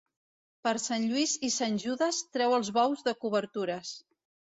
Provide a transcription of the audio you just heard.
Per Sant Lluís i Sant Judes treu els bous de cobertures.